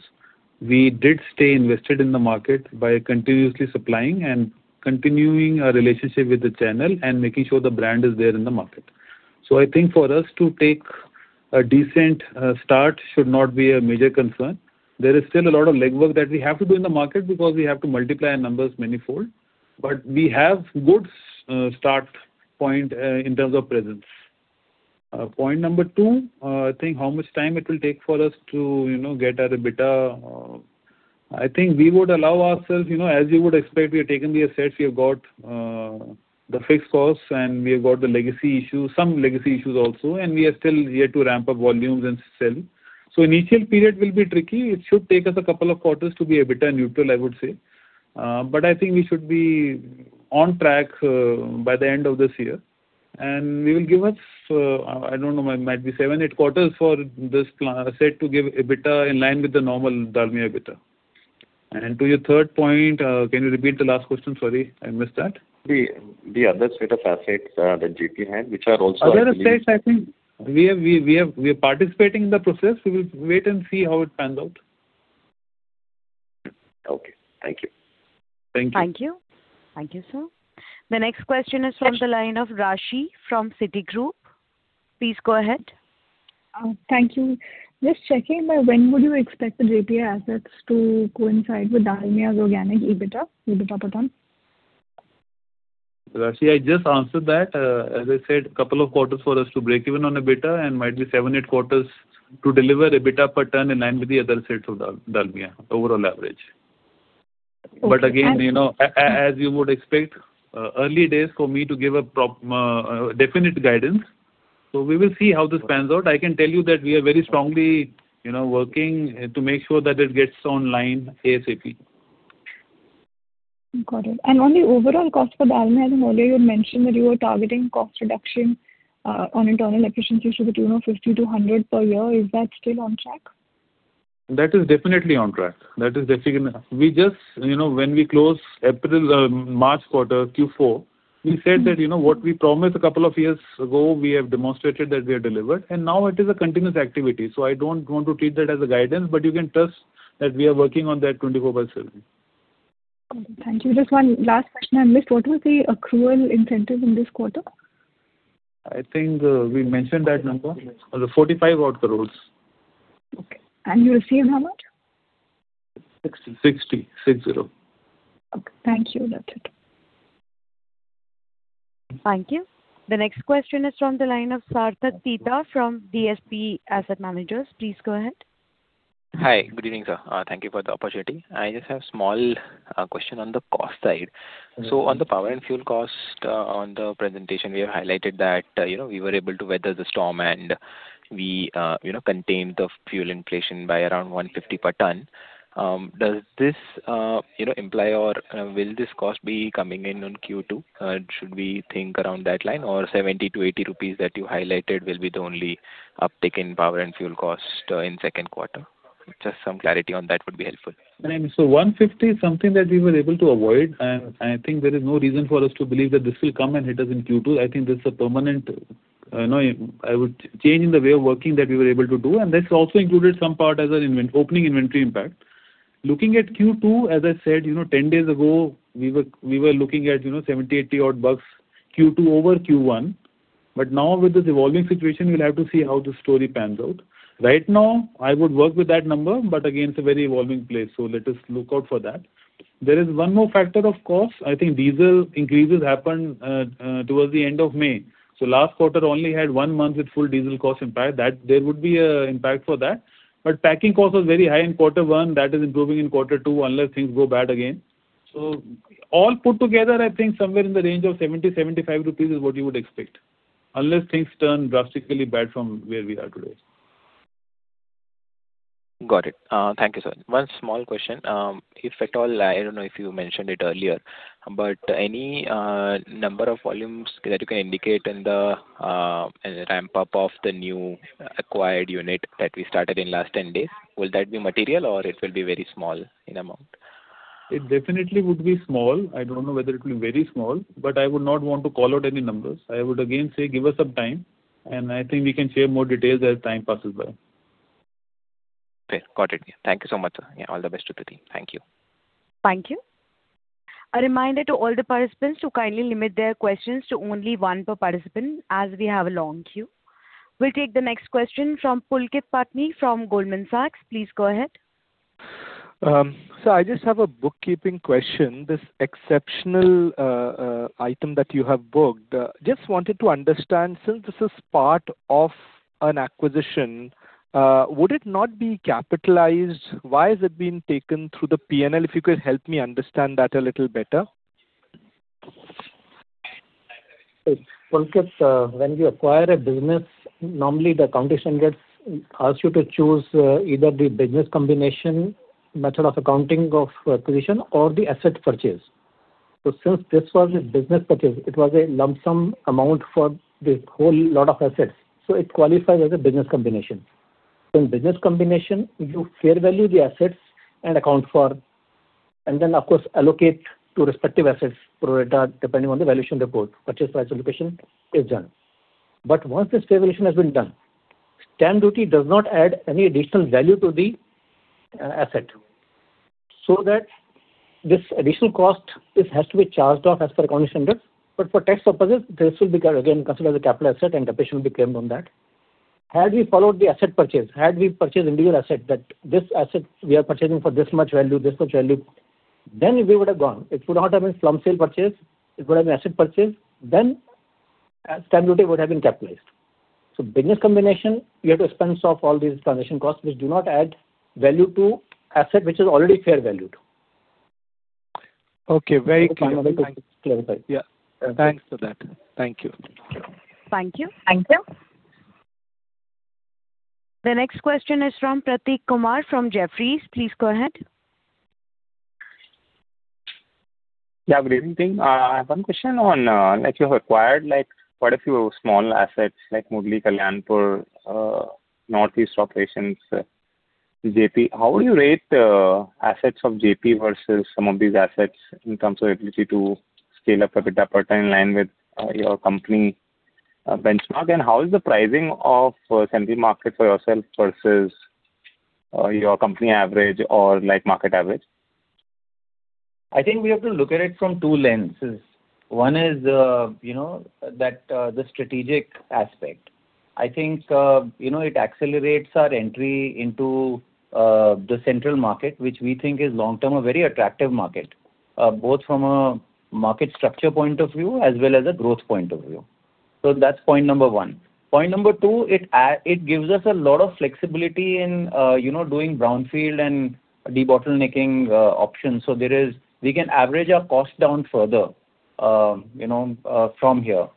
We did stay invested in the market by continuously supplying and continuing our relationship with the channel and making sure the brand is there in the market. I think for us to take a decent start should not be a major concern. There is still a lot of legwork that we have to do in the market because we have to multiply our numbers manifold. We have good start point in terms of presence. Point number two, I think how much time it will take for us to get at EBITDA. I think we would allow ourselves, as you would expect, we have taken the assets, we have got the fixed costs, and we have got some legacy issues also, and we are still yet to ramp up volumes and sell. Initial period will be tricky. It should take us a couple of quarters to be EBITDA neutral, I would say. I think we should be on track by the end of this year. Will give us, I don't know, might be seven, eight quarters for this set to give EBITDA in line with the normal Dalmia EBITDA. To your third point, can you repeat the last question? Sorry, I missed that. The other set of assets that JP had, which are also Other assets, I think we are participating in the process. We will wait and see how it pans out. Okay. Thank you. Thank you. Thank you. Thank you, sir. The next question is from the line of Raashi from Citigroup. Please go ahead. Thank you. Just checking, when would you expect the JP assets to coincide with Dalmia's organic EBITDA? EBITDA per ton. Raashi, I just answered that. As I said, couple of quarters for us to break even on EBITDA, might be seven, eight quarters to deliver EBITDA per ton in line with the other sets of Dalmia overall average. Okay. Again, as you would expect, early days for me to give a definite guidance. We will see how this pans out. I can tell you that we are very strongly working to make sure that it gets online ASAP. Got it. On the overall cost for Dalmia, I know you had mentioned that you were targeting cost reduction on internal efficiency to the tune of 50 to 100 per year. Is that still on track? That is definitely on track. When we closed March quarter Q4, we said that what we promised a couple of years ago, we have demonstrated that we have delivered, and now it is a continuous activity. I don't want to treat that as a guidance, but you can trust that we are working on that 24/7. Okay. Thank you. Just one last question I missed. What was the accrual incentive in this quarter? I think we mentioned that number. 45 crore. Okay. You received how much? 60. 60. Okay. Thank you. That's it. Thank you. The next question is from the line of Sarthak Tita from DSP Asset Managers. Please go ahead. Hi. Good evening, sir. Thank you for the opportunity. I just have a small question on the cost side. On the power and fuel cost on the presentation, we have highlighted that we were able to weather the storm and we contained the fuel inflation by around 150 per tonne. Does this imply or will this cost be coming in on Q2? Should we think around that line? 70-80 rupees that you highlighted will be the only uptick in power and fuel cost in the second quarter? Just some clarity on that would be helpful. 150 is something that we were able to avoid, and I think there is no reason for us to believe that this will come and hit us in Q2. I think this is a permanent change in the way of working that we were able to do, and that's also included some part as an opening inventory impact. Looking at Q2, as I said, 10 days ago, we were looking at 70, 80 odd bucks, Q2 over Q1. Now with this evolving situation, we'll have to see how the story pans out. Right now, I would work with that number, but again, it's a very evolving place, so let us look out for that. There is one more factor, of course. I think diesel increases happened towards the end of May. Last quarter only had one month with full diesel cost impact. There would be an impact for that. Packing cost was very high in quarter one. That is improving in quarter two unless things go bad again. All put together, I think somewhere in the range of 70 rupees, 75 rupees is what you would expect unless things turn drastically bad from where we are today. Got it. Thank you, sir. One small question. If at all, I don't know if you mentioned it earlier, but any number of volumes that you can indicate in the ramp-up of the new acquired unit that we started in the last 10 days, will that be material or it will be very small in amount? It definitely would be small. I don't know whether it will be very small, but I would not want to call out any numbers. I would again say give us some time, and I think we can share more details as time passes by. Okay, got it. Thank you so much, sir. All the best to the team. Thank you. Thank you. A reminder to all the participants to kindly limit their questions to only one per participant as we have a long queue. We'll take the next question from Pulkit Patni from Goldman Sachs. Please go ahead. Sir, I just have a bookkeeping question. This exceptional item that you have booked, just wanted to understand, since this is part of an acquisition, would it not be capitalized? Why is it being taken through the P&L? If you could help me understand that a little better. Pulkit, when you acquire a business, normally the accounting team asks you to choose either the business combination method of accounting of acquisition or the asset purchase. Since this was a business purchase, it was a lump sum amount for the whole lot of assets, it qualifies as a business combination. In business combination, you fair value the assets and account for, and then of course allocate to respective assets, pro rata, depending on the valuation report, purchase price allocation is done. Once this valuation has been done, stamp duty does not add any additional value to the asset. That this additional cost has to be charged off as per accounting standard. For tax purposes, this will be again considered as a capital asset and depreciation will be claimed on that. Had we followed the asset purchase, had we purchased individual asset, that this asset we are purchasing for this much value, this much value, then we would have gone. It would not have been from sale purchase, it would have been asset purchase, then stamp duty would have been capitalized. Business combination, you have to expense off all these transaction costs which do not add value to asset which is already fair valued. Okay, very clear. Hope that clarifies. Thanks for that. Thank you. Thank you. The next question is from Prateek Kumar from Jefferies. Please go ahead. Good evening. I have one question on, like you have acquired quite a few small assets like Murli, Kalyanpur, Northeast operations, JP. How will you rate assets of JP versus some of these assets in terms of ability to scale up EBITDA per ton in line with your company benchmark? How is the pricing of central market for yourself versus your company average or like market average? I think we have to look at it from two lenses. One is the strategic aspect. I think it accelerates our entry into the central market, which we think is long-term, a very attractive market, both from a market structure point of view as well as a growth point of view. That's point number one. Point number two, it gives us a lot of flexibility in doing brownfield and debottlenecking options. We can average our cost down further from here.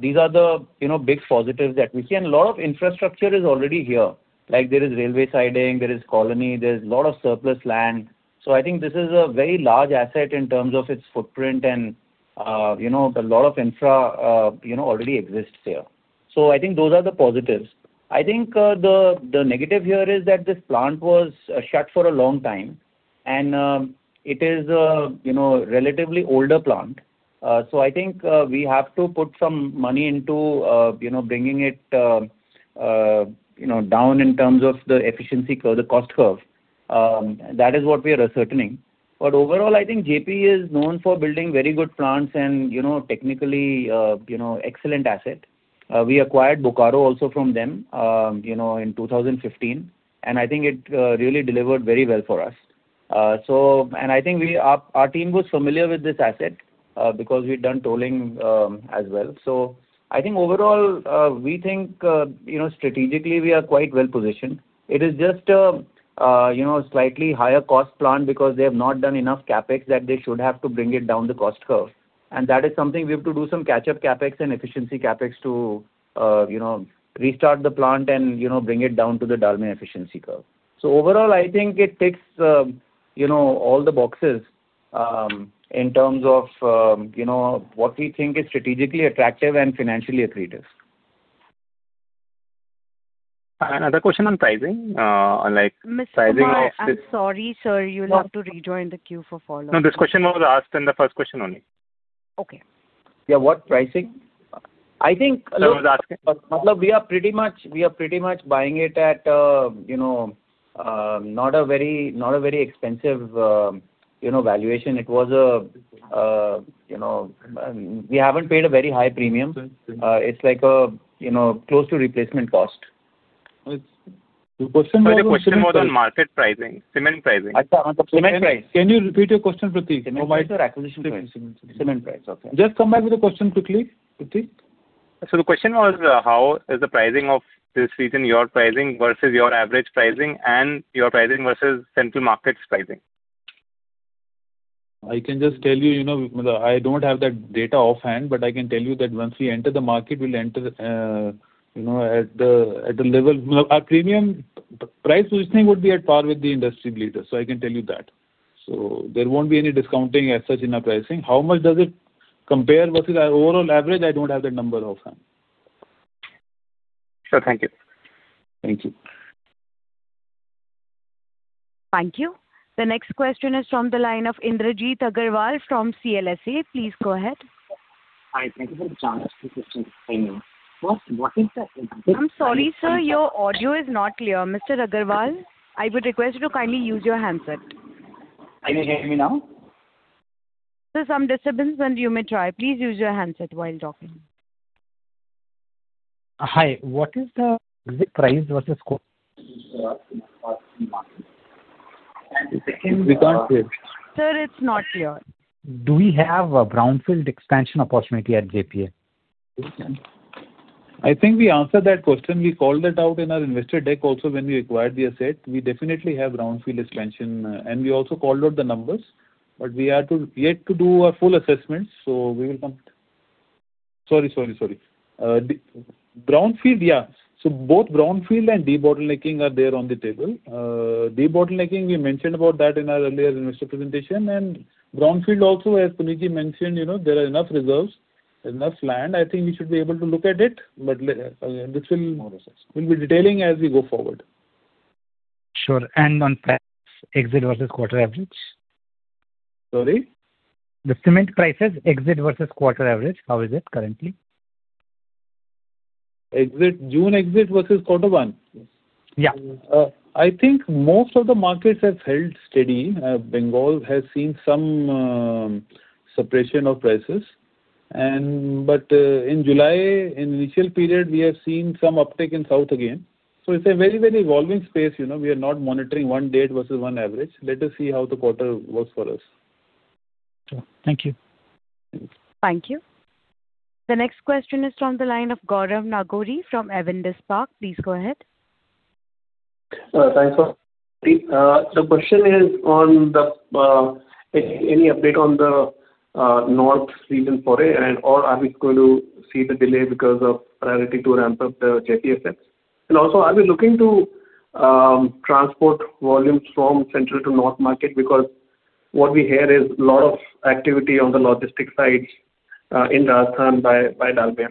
These are the big positives that we see, a lot of infrastructure is already here. There is railway siding, there is colony, there's lot of surplus land. I think this is a very large asset in terms of its footprint and a lot of infra already exists here. I think those are the positives. I think the negative here is that this plant was shut for a long time and it is a relatively older plant. I think we have to put some money into bringing it down in terms of the efficiency curve, the cost curve. That is what we are ascertaining. Overall, I think JP is known for building very good plants and technically excellent asset. We acquired Bokaro also from them in 2015, I think it really delivered very well for us. I think our team was familiar with this asset because we'd done tolling as well. I think overall, we think strategically we are quite well-positioned. It is just a slightly higher cost plant because they have not done enough CapEx that they should have to bring it down the cost curve. That is something we have to do some catch-up CapEx and efficiency CapEx to restart the plant and bring it down to the Dalmia efficiency curve. Overall, I think it ticks all the boxes in terms of what we think is strategically attractive and financially accretive. Another question on pricing. Mr. Kumar, I'm sorry, sir. You'll have to rejoin the queue for follow-up. No, this question was asked in the first question only. Okay. Yeah. What pricing? I was asking- We are pretty much buying it at not a very expensive valuation. We haven't paid a very high premium. It's close to replacement cost. The question was on market pricing, cement pricing. Cement price. Can you repeat your question, Prateek? Cement price or acquisition price? Cement price. Okay. Just come back with the question quickly, Prateek. The question was, how is the pricing of this season, your pricing versus your average pricing and your pricing versus central market pricing? I can just tell you, I don't have that data offhand, but I can tell you that once we enter the market, Our premium price positioning would be at par with the industry leaders, so I can tell you that. There won't be any discounting as such in our pricing. How much does it compare versus our overall average, I don't have that number offhand. Sure. Thank you. Thank you. Thank you. The next question is from the line of Indrajit Agarwal from CLSA. Please go ahead. Hi, thank you for the chance. This is. I'm sorry, sir. Your audio is not clear. Mr. Agarwal, I would request you to kindly use your handset. Can you hear me now? There's some disturbance on your end, try. Please use your handset while talking. Hi. What is the price versus? We can't hear. Sir, it's not clear. Do we have a brownfield expansion opportunity at JPA? I think we answered that question. We called it out in our investor deck also when we acquired the asset. We definitely have brownfield expansion, and we also called out the numbers. We are yet to do our full assessment. Brownfield, yeah. Both brownfield and debottlenecking are there on the table. Debottlenecking, we mentioned about that in our earlier investor presentation. Brownfield also, as Puneet mentioned, there are enough reserves, enough land. I think we should be able to look at it. This we'll more or less be detailing as we go forward. Sure. On price, exit versus quarter average? Sorry? The cement prices exit versus quarter average, how is it currently? June exit versus quarter one? Yeah. I think most of the markets have held steady. Bengal has seen some suppression of prices. In July, initial period, we have seen some uptick in South again. It's a very evolving space. We are not monitoring one date versus one average. Let us see how the quarter works for us. Sure. Thank you. Thank you. The next question is from the line of Gaurav Nagori from Avendus Spark. Please go ahead. Thanks. The question is, any update on the North region for it and/or are we going to see the delay because of priority to ramp up the JP assets? Also, are we looking to transport volumes from central to North market? Because what we hear is a lot of activity on the logistics side in Rajasthan by Dalmia.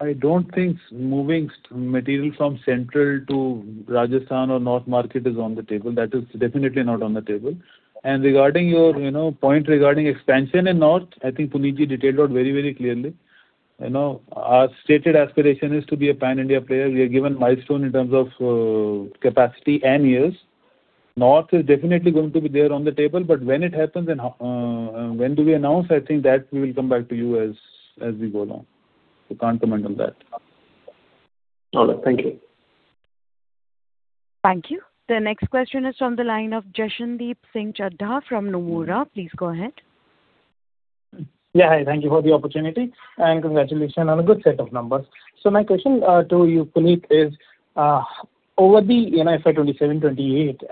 I don't think moving material from central to Rajasthan or North market is on the table. That is definitely not on the table. Regarding your point regarding expansion in North, I think Puneet detailed out very clearly. Our stated aspiration is to be a pan-India player. We are given milestone in terms of capacity and years. North is definitely going to be there on the table, but when it happens and when do we announce, I think that we will come back to you as we go along. Can't comment on that. All right. Thank you. Thank you. The next question is from the line of Jashandeep Singh Chadha from Nomura. Please go ahead. Hi. Thank you for the opportunity, and congratulations on a good set of numbers. My question to you, Puneet, is over the year 2027-2028,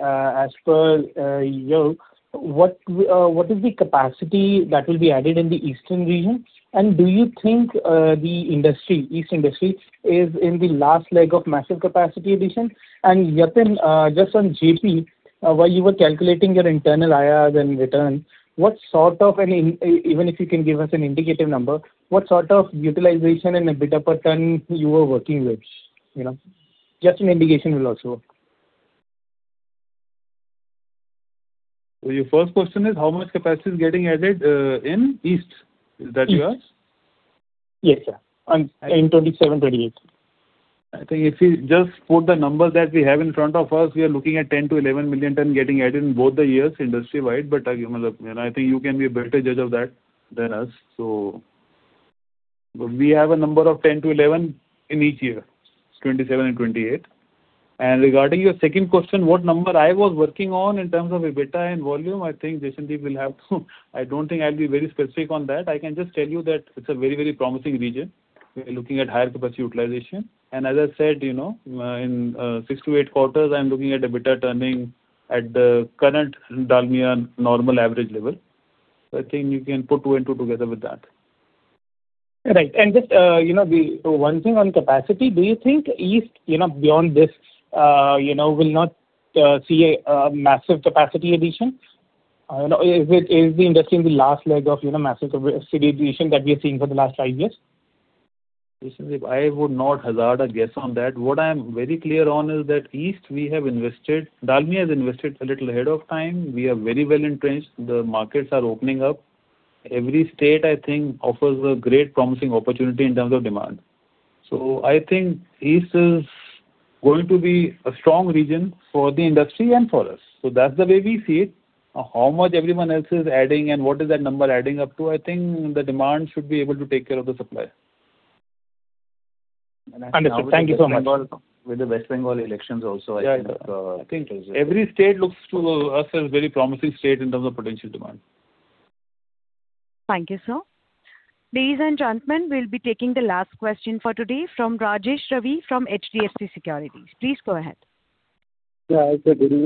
as per year, what is the capacity that will be added in the Eastern region? Do you think the East industry is in the last leg of massive capacity addition? Yatin, just on JP, while you were calculating your internal IRR and return, even if you can give us an indicative number, what sort of utilization and EBITDA per ton you were working with? Just an indication will also work. Your first question is how much capacity is getting added in East. Is that yours? Yes, sir. In 2027-2028. I think if we just put the numbers that we have in front of us, we are looking at 10 million to 11 million ton getting added in both the years industry-wide, but I think you can be a better judge of that than us. We have a number of 10 to 11 in each year, 2027 and 2028. Regarding your second question, what number I was working on in terms of EBITDA and volume, I think Jashandeep will have to I don't think I'll be very specific on that. I can just tell you that it's a very promising region. We're looking at higher capacity utilization. As I said, in six to eight quarters, I'm looking at EBITDA turning at the current Dalmia normal average level. I think you can put two and two together with that. Right. Just one thing on capacity, do you think East, beyond this, will not see a massive capacity addition? Is the industry in the last leg of massive capacity addition that we are seeing for the last five years? Jashandeep, I would not hazard a guess on that. What I am very clear on is that East, Dalmia has invested a little ahead of time. We are very well entrenched. The markets are opening up. Every state, I think, offers a great promising opportunity in terms of demand. I think East is going to be a strong region for the industry and for us. That's the way we see it. How much everyone else is adding and what is that number adding up to, I think the demand should be able to take care of the supply. Understood. Thank you so much. With the West Bengal elections also, I think. Yeah. I think every state looks to us as very promising state in terms of potential demand. Thank you, sir. Ladies and gentlemen, we'll be taking the last question for today from Rajesh Ravi from HDFC Securities. Please go ahead. Yeah, I said. Mr.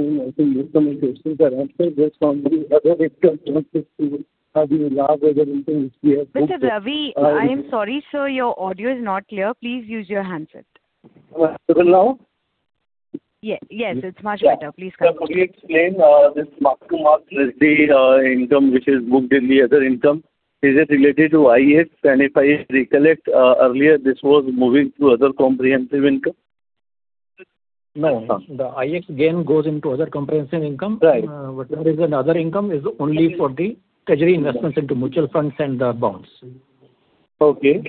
Ravi, I am sorry, sir. Your audio is not clear. Please use your handset. Am I audible now? Yes. It is much better. Please continue. Could you explain this mark-to-market income which is booked in the other income? Is it related to FX? If I recollect, earlier this was moving to other comprehensive income. No. The FX gain goes into other comprehensive income. Right. Whatever is in other income is only for the treasury investments into mutual funds and the bonds. Okay.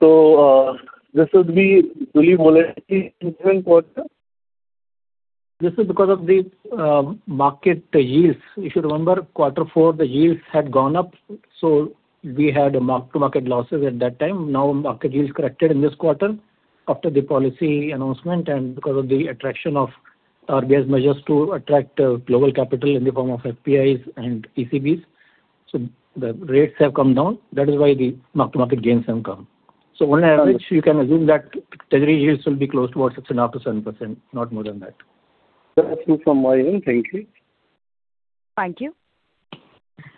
This would be fully quarter? This is because of the market yields. If you remember quarter four, the yields had gone up, so we had a mark-to-market losses at that time. Market yields corrected in this quarter after the policy announcement and because of the attraction of RBI's measures to attract global capital in the form of FPIs and FCBs. The rates have come down. That is why the mark-to-market gains have come. On average, you can assume that treasury yields will be close towards 6.5%-7%, not more than that. That's it from my end. Thank you. Thank you.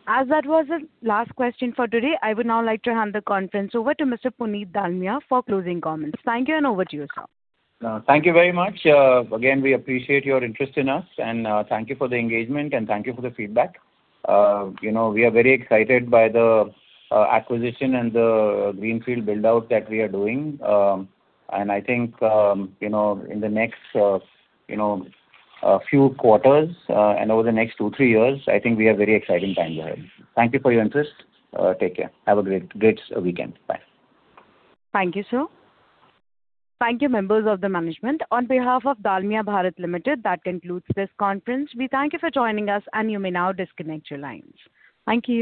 As that was the last question for today, I would now like to hand the conference over to Mr. Puneet Dalmia for closing comments. Thank you, and over to you, sir. Thank you very much. Again, we appreciate your interest in us, and thank you for the engagement, and thank you for the feedback. We are very excited by the acquisition and the greenfield build-out that we are doing. I think in the next few quarters, and over the next two, three years, I think we have very exciting times ahead. Thank you for your interest. Take care. Have a great weekend. Bye. Thank you, sir. Thank you, members of the management. On behalf of Dalmia Bharat Limited, that concludes this conference. We thank you for joining us, and you may now disconnect your lines. Thank you.